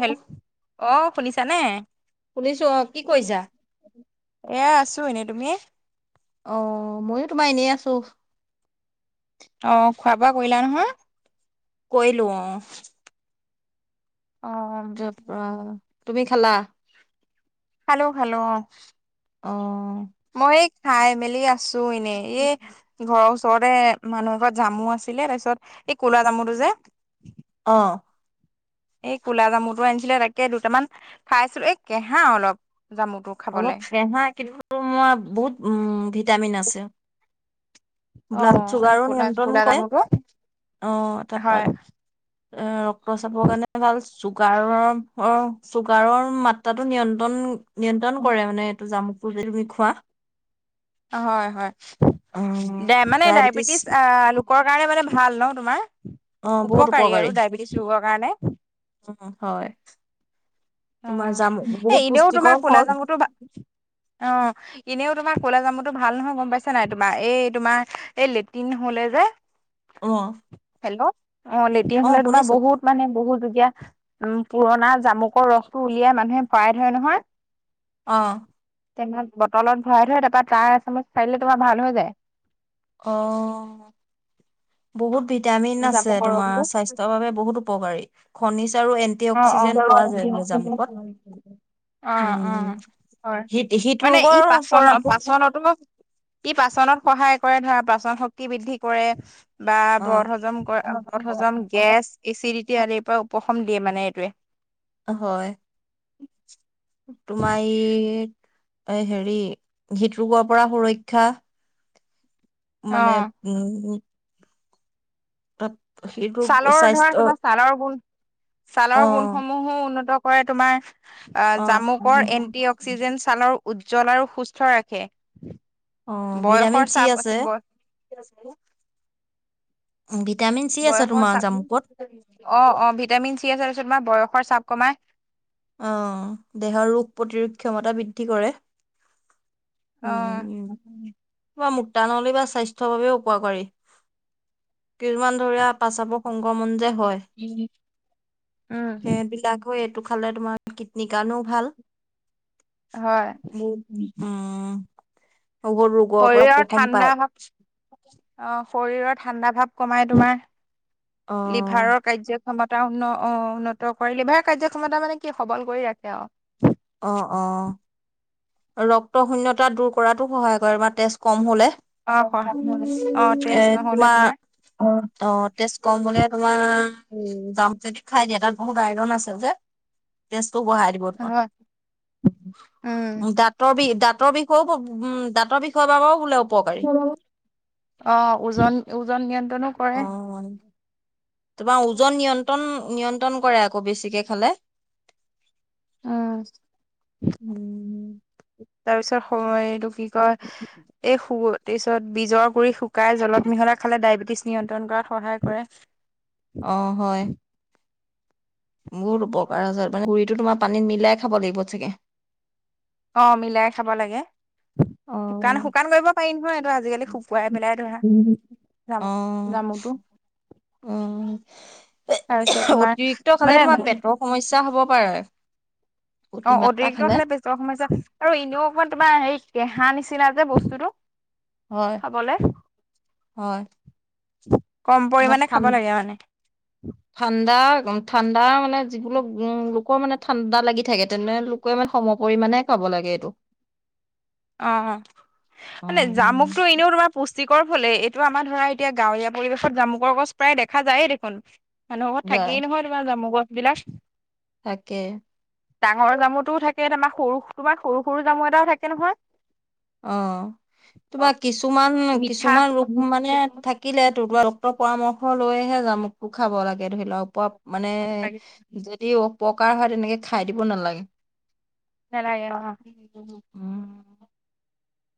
হেল, অ' শুনিছানে? শুনিছো অ কি কৰিছা? এ, আছোঁ এনেই। তুমি? অ' মইও তোমাৰ এনেই আছোঁ। অ' খোৱা বোৱা কৰিলা নহয়? কৈ লওঁ অ'। অ'। অ' তুমি খালা? খালোঁ খালোঁ অ'। অ'। মই এই খাই মেলি আছোঁ এনেই। এই ঘৰৰ ওচৰতে মানুহৰ ঘৰত জামু আছিলে তাৰপিছত এই ক'লা জামুটো যে অ'। এই ক'লা জামুটো আনিছিলে তাকে দুটামান খাইছিলোঁ এ, কেঁহা অলপ জামুটো। খাবলে। অলপ ফেহা কিন্তু মই বহুত উম, ভিটামিন আছে। অ ব্লাড এই চুগাৰো ক'লা নিয়ন্ত্ৰণ ক'লা কৰে। জামুটো অ' তাৰপাত। হয়। এ, ৰক্তচাপৰ কাৰণে ভাল। চুগাৰৰ অ' চুগাৰৰ মাত্ৰাটো নিয়ন্ত্ৰণ নিয়ন্ত্ৰণ কৰে মানে এইটো জামুকপুৰ যে তুমি খোৱা। হয়, হয়। অ ডাই মানে ডায়বেটিছ আ, লোকৰ কাৰণে মানে ভাল ন' তোমাৰ? অ বহুত উপকাৰ পাৰি আৰু ডায়বেটিছ ৰোগৰ কাৰণে। উ, হয়। তোমাৰ অ' জামুক এ, বহুত এনেও পুষ্টিকৰ তোমাৰ ক'লা ফল জামটো, অ'। এনেও তোমাৰ ক'লা জামুটো ভাল নহয় গম পাইছা নাই? তোমাৰ এই তোমাৰ এই লেট্ৰিন হ'লে যে অ'। হেল্ল' অ' লেটিয় হ'লে তোমাৰ বহুত মানে বহুত যুগীয়া উম, পুৰণা জামুকৰ ৰস টো উলিয়াই মানুহে পৰাই ধৰে নহয়। অ'। তেনত বটলত ভৰাই থয় তাৰপৰা তাৰ এচামুচ খাই দিলে তোমাৰ ভাল হৈ যায়। অ'। বহুত ভিটামিন আছে জামুকৰ তোমাৰ, ৰসটো স্বাস্থ্যৰ বাবে বহুত উপকাৰী। খনিজ আৰু এন অ', অ' [unintelligible] অ', উম অ' হয়। হৃদ হৃদ মানে ই ৰোগৰ পাচন পৰা পাচনতো ই পাচনত সহায় কৰে ধৰা, পাচন শক্তি বৃদ্ধি কৰে। বা অ ব্ৰত হজম ক ব্ৰত হজম, গেছ এচিডিটি আদিৰ পৰা উপশম দিয়ে মানে এইটোৱে। হয়। তোমাৰ এই হেৰি, হৃদৰোগৰ পৰা সুৰক্ষা অ মানে উম, উম [inaudible] ছালৰ ধৰা স্বাস্থ্য কিবা ছালৰ গুণ, অ ছালৰ গুণসমূহো উন্নত কৰে তোমাৰ অ জামুকৰ এণ্টি অক্সিজেণ, ছালৰ উজ্জ্বল আৰু সুস্থ ৰাখে অ ভিটামিন বয়সৰ চি চাপ আছে আছিল বয় ভিটামিন চি আছে বয়সৰ তোমাৰ চাপ জামুকত অ', অ', ভিটামিন চি আছে, তাৰপিছত তোমাৰ বয়সৰ চাপ কমায়। অ', দেহৰ ৰোগ প্ৰতিৰোধ ক্ষমতা বৃদ্ধি কৰে। অ উম, উম, উম, কিবা মূত্ৰানলী বা স্বাস্থ্যৰ বাবেও উপকাৰী। কিছুমান ধৰা, পাচাপৰ সংক্ৰমণ যে হয় উম [unintelligible] ‌ এইটো খালে তোমাৰ কিডনী কাৰণেও ভাল। হয় উম [unintelligible] শৰীৰৰ উপশম ঠাণ্ডা পায়। ভাৱ অ', শৰীৰৰ ঠাণ্ডা ভাৱ কমাই তোমাৰ। অ', লিভাৰৰ কাৰ্য ক্ষমতা উন্ন-অ-উন্নত কৰি, লিভাৰৰ কাৰ্যক্ষমতা মানে কি, সবল কৰি ৰাখে আৰু। অ, অ' ৰক্ত শূন্যতা দূৰ কৰাতো সহায় কৰে বা তেজ কম হ'লে। অ', অ', এ তেজ নহ'লে তোমাৰ তত তেজ কম হ'লে তোমাৰ জাম যদি খাই দিয়া, তাত বহুত আইৰন আছে যে তেজতো বঢ়াই দিব তোমাৰ। হয়, উম। তৰ বিষ, দাঁতৰ বিষও, দাঁতৰ বিষৰ বাবেও বোলে উপকাৰী। অ', ওজন, ওজন নিয়ন্ত্ৰণো কৰে অ', তোমাৰ ওজন নিয়ন্ত্ৰণ, নিয়ন্ত্ৰণ কৰে আকৌ বেছিকে খালে। উম, উম। তাৰপিছত সময় এইটো কি কয়, এই শুব তাৰপিছত বীজৰ গুৰি শুকাই জলাত মিহলাই খালে ডায়েবেটিছ নিয়ন্ত্ৰণ কৰাত সহায় কৰে। অ' হয়। বহুত উপকাৰ আছে। মানে গুৰিতো তোমাৰ পানীত মিলাই খাব লাগিব চাগে। অ', মিলাই খাব লাগে। অ শুকান, শুকান কৰিব পাৰি নহয়, এইটো আজিকালি শুকুৱাই পেলাই ধৰা জামু অ' জামুটো অ' তাৰপিছত তোমাৰ অতিৰিক্ত খালে তোমাৰ মানে পেটৰ সমস্যা হ'ব পাৰে। অ', অতিৰিক্ত খালে পেটৰ সমস্যা আৰু এনেও অকমান তোমাৰ হেৰি কেঁহা নিচিনা যে বস্তুটো। হয়, খাবলে হয়। কম তোমাৰ পৰিমাণে ঠান খাব লাগে আ মানে। ঠাণ্ডা, [unintelligible] ঠাণ্ডা মানে, যিকোনো লোকৰ মানে ঠাণ্ডা লাগি থাকে তেনেলোকে মানে সম পৰিমাণে খাব লাগে এইটো। অ', অ', মানে অ জামুকতো এনেও তোমাৰ পুষ্টিকৰ ফলেই। এইটো আমাৰ ধৰা, এতিয়া গাঁৱলীয়া পৰিৱেশত জামুকৰ গছ প্ৰায় দেখা যায়ে দেখোন। মানুহৰ ঘৰত যায় থাকেই নহয় তোমাৰ জামুক গছবিলাক। থাকে। ডাঙৰ জামুটোও থাকে, তাপা সৰু, তোমাৰ সৰু সৰু জামু এটাও থাকে নহয় অ'। তোমাৰ কিছুমান, মিঠা কিছুমান ৰোগ মানে থাক। থাকিলে তোমাৰ [unintelligible] ডক্টৰৰ পৰামৰ্শ লৈহে জামুকটো খাব লাগে ধৰি লোৱা, ওপ। মানে, যদি অপকাৰ হয় তেনেকে খাই দিব নালাগে। নেলাগে। ওহোঁ। উম।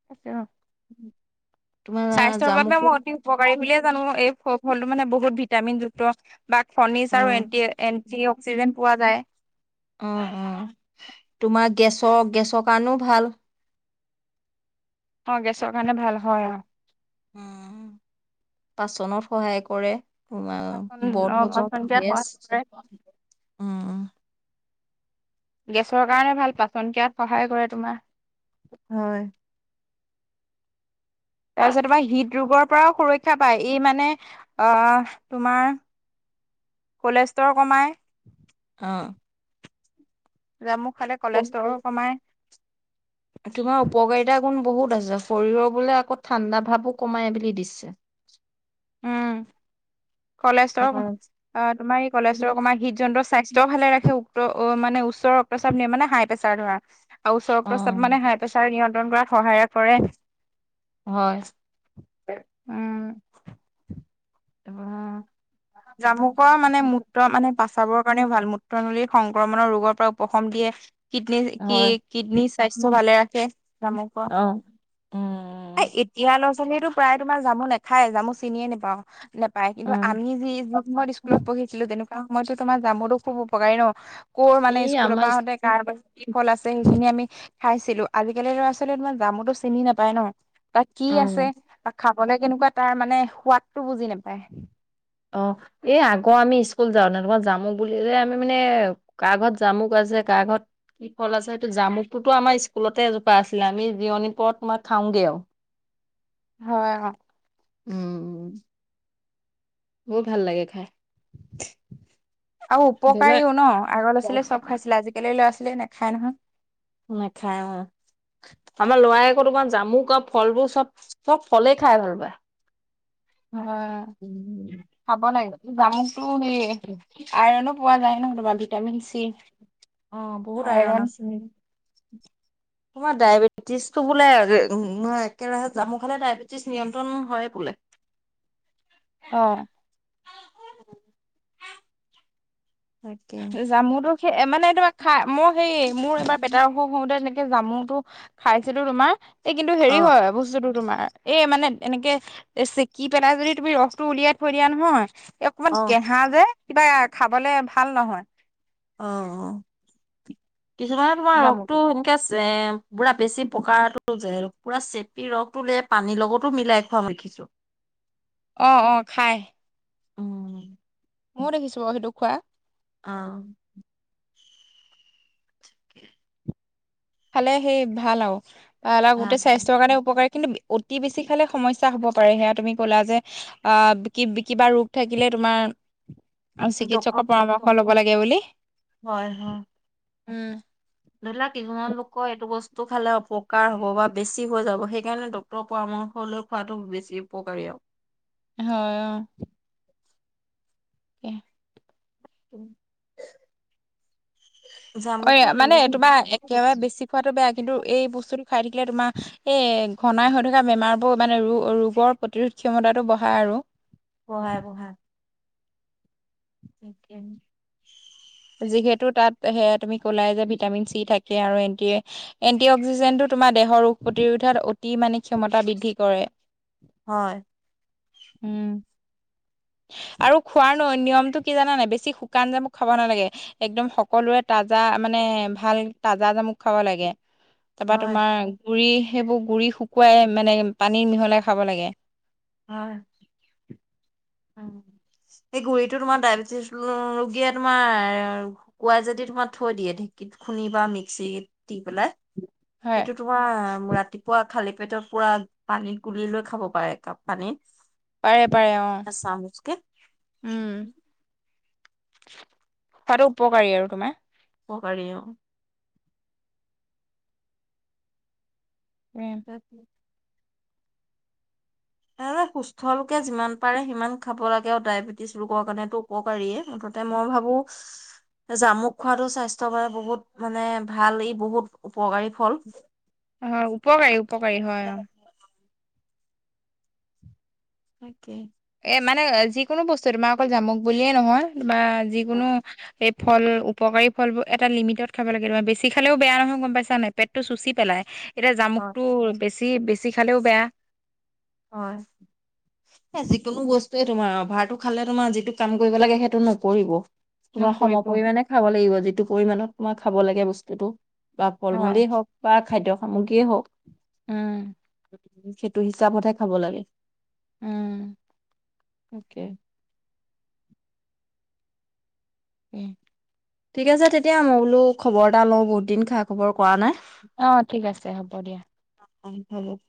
[unintelligible] তোমাৰ স্বাস্থ্যৰ বাবে জামুকো মই অতি। উপকাৰী বুলিয়ে জানো, এই ফলটো মানে বহুত ভিটামিনযুক্ত বা অ খনিজ আৰু এন্টি এন। যি অক্সিজেন পোৱা যায়। অ', অ', তোমাৰ গেছৰ, গেছৰ কাৰণেও ভাল। অ', গেছৰ কাৰণে ভাল। হয়, হয়। উম, পাচনত সহায় কৰে। পাচন বৰ অ পাচন ভজত ক্ৰিয়াত গেছ সহায় কৰে উম। গেছৰ কাৰণে ভাল পাচন কিয়াত সহায় কৰে তোমাৰ। হয়। তাৰপিছত তোমাৰ হৃদৰোগৰ পৰাও সুৰক্ষা পায় ই মানে আ, তোমাৰ। কলেষ্ট্ৰৰ কমাই। অঁ। জাম খালে। কলেষ্ট্ৰৰ কমাই [inaudible] তোমাৰ উপকাৰিতা গুণ বহুত আছে শৰীৰৰ বোলে আকৌ ঠাণ্ডা ভাবো কমাই বুলি দিছে। কলেষ্টৰ তাৰপৰা তোমাৰ, এই কলেষ্টৰ তোমাৰ হৃদ যন্ত্ৰ স্বাস্থ্য। ভালে ৰাখে উক্ত মানে উচ্চ ৰক্তচাপ নিয়ে মানে হাই প্ৰেচাৰ ধৰা আৰু উচ্চ অ ৰক্তচাপ মানে হাই। প্ৰেছাৰ নিয়ন্ত্ৰণ কৰাত সহায় কৰে। হয়। উম। অঁ। জামভুকৰ মানে ম। মূত্ৰ মানে পচাবৰ কাৰণেও ভাল মূত্ৰ নলীৰ সংক্ৰমণৰ ৰোগৰ পৰা উপশম দিয়ে। কিডনী কি, হয় কিডনীৰ স্বাস্থ্য ভালে ৰাখে জামুক। অ উম এতিয়া ল'ৰা ছোৱালীয়েতো প্ৰায় তোমাৰ জামু নেখায় জামু চিনিয়ে নোপাও নাপায় কিন্তু উম আমি যি। ত স্কুলত পঢ়িছিলো তেনেকুৱা সময়তো তোমাৰ যামতো খুব উপকাৰী ন কৰ' মানে এই স্কুলৰ আমাৰ পৰা আহোঁতে। তাৰপিছত কি ফল আছে সেইখিনি আমি। খাইছিলো আজিকালিৰ লৰা ছোৱালী তোমাৰ জামুতটো চিনি নাপায় ন। তাত কি অ আছে তাক খাবলে কেনেকুৱা তাৰ মানে সোৱাদটো বুজি নাপায়। অঁ, এই আগৰ আমি স্কুল যাওঁ ন তোমাৰ যামো বুলিলে আমি মানে। কাৰ ঘৰত জামু গছ আছে কা ঘৰত। কি ফল আছে সইটো জামুকটোতো আমাৰ স্কুলতে এজোপা আছিলে আমি জিৰণি পৰত তোমাৰ খাওঁগে আৰু। হয় অ। উম। বহুত ভাল লাগে খাই। আৰু ধৰি উপকাৰীও ন আগৰ আছিলে লোৱা চব খাইছিলে আজিকালি ল'ৰা ছোৱালীয়ে নেখায় নহয়। নেখাই অ। আমাৰ লৰাই আকৌ তোমাৰ জামু ক ফলবোৰ চব চব ফলেই খাই ভাল পায়। হয়। উম। খাব লাগি, জামুকতো সেই আইৰণো পোৱা যায় ন তোমাৰ ভিটামিন চি। অঁ বহুত আইৰন আইৰণ আছে নিকি? [unintelligible] তোমাৰ ডায়বেটিছ টো বোলে নহয় একে ৰাহে জামু খালে ডায়বে টিছ নিয়ন্ত্ৰণ হয় বোলে। অঁ। [inaudible] তাকে। জামু তো সেই মানে তোমাৰ খাই, মই হে মোৰ এইবাৰ পেটাৰ অশোক হওতে তেনে কে জামুতটো খাইছিলো তোমাৰ, এই কিন্তু হেৰি অ', হয় বস্তুটো তোমাৰ এ মানে এনেকে এ চেকি পেলাই যদি তুমি ৰসটো উলিয়াই থৈ দিয়া নহয় অকমান অ', কেহা যে কিবা খাবলে ভাল নহয়। অহ, কিছুমানে তোমাৰ জামুটো ৰসটো সেনকে ছে পুৰা বেছি পকাটো যে পুৰা চেপি ৰসটো পানীৰ লগতো মিলাই খোৱা দেখিছোঁ। অঁ অঁ খায়। উম, ময়ো দেখিছো বা সেইটো খোৱা অ। খালে সেই ভাল আও, [inaudible] ভাল গোটেই স্বাস্থৰ কাৰণে উপকাৰী কিন্তু অতি বেছি খালে সমস্যা হব পাৰে, সেয়া তুমি ক'লা যে আহ কি কিবা ৰোগ থাকিলে তোমাৰ ডক্টৰ চিকিৎসকৰ পৰামৰ্শ লব লাগে বুলি। হয় হয়। উম। ধৰি লোৱা কিছুমান লোকৰ এইটো বস্তু খালে অপকাৰ হব বা বেছি হৈ যাব, সেইকাৰণে ড ক্টৰ পৰামৰ্শ লৈ খোৱাটো বেছি উপকাৰী আৰু। হয় অ। এ অ এ জামুকটো [inaudible] মানে তোমাৰ একেবাৰে বেছি খোৱাটো বেয়া, কিন্তু এই বস্তুটো খাই থাকিলে তোমাৰ এই ঘনাই হৈ থকা বেমাৰবোৰ মানে ৰো ৰোগৰ প্ৰতিৰোধ ক্ষমতাটো বঢ়ায় আৰু। বঢ়াই বঢ়াই। তাকেহে। যিহেতু তাত হেই তুমি ক'লাই যে ভিটামিন চি থাকে আৰু এনটি এ এণ্টি অক্সিজেণ্টটো তোমাৰ দেহৰ ৰোগ প্ৰতিৰোধত অতি মানে ক্ষমতা বৃদ্ধি কৰে। হয়। উম। আৰু খোৱাৰ ন নিয়মতটো কি জানা নাই বেছি শুকান জামোক খাব নালাগে। একদম সকলোৱে তাজা মানে ভাল তাজা জামুক খাব লাগে। তাপা হয় তোমাৰ গুৰি সেইবোৰ গুৰি শুকুৱাই মানে পানীৰ মিহলাই খাব লাগে। হয়, অহ। এই গুৰিটো তোমাৰ ডায়বেটিছ ৰোগীয়ে তোমাৰ কুৱাই যদি তোমাৰ থৈ দিয়ে ঢেঁকীত খুন্দি বা মিক্সিত দি পেলাই। হয় সেইটো তোমাৰ ৰাতিপুৱা খালি পেটত পুৰা পানীত গুলি লৈ খাব পাৰে একাপ। পানী পাৰে পাৰে অ। উম। খোৱাটো উপকাৰী আৰু তোমাৰ। উপকাৰী অ। প্ৰেম [inaudible] এ সুস্থ লোকে যিমান পাৰে সিমান খাব লাগে। ডায়েবেটিছ ৰোগৰ কাৰণেটো উপকাৰীয়ে। এ মই ভাবো জামুক খোৱাাতো স্বাস্থ্যৰ কাৰনে বহুত মানে ভাল ই বহুত উপকাৰী ফল। হয় উপকাৰী উপকাৰী হয় অ। তাকে এ মানে যিকোনো বস্তু তোমাৰ অকল জামুক বুলিয়ে নহয় বা যিকোনো এই ফল উপকাৰী ফলবোৰ এটা লিমিটত খাব লাগে। তোমাৰ বেছি খালেও বেয়া নহয় গম পাইছা নাই পেটতটো চুচি পেলাই। এতিয়া হয় জামুকটো বেছি বেছি খালেও বেয়া। হয়। যিকোনো বস্তুৱে তোমাৰ অভাৰটো খালে তোমাৰ যিটো কাম কৰিব লাগে সেইটো নকৰিব। তোমাৰ সম নকৰিব পৰিমাণে খাব লাগিব। যিটো পৰিমামানত তোমাৰ খাব লাগে বস্তুটো বা ফল হয় মূলেই হওক। বা খাদ্য সামগ্ৰীয়ে হওক। উম সেইটো হিচাপতহে খাব লাগে। উম। তাকে [inaudible] ঠিক আছে তেতিয়া মই বোলো খবৰ এটা লওঁ বহুত দিন খা খবৰ কৰা নাই। অঁ, ঠিক আছে হ'ব দিয়া! হয় [unintelligible]